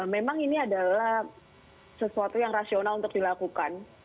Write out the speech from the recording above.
memang ini adalah sesuatu yang rasional untuk dilakukan